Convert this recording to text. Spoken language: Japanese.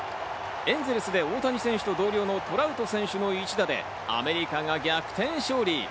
エンゼルスで大谷選手と同僚のトラウト選手の一打でアメリカが逆転勝利。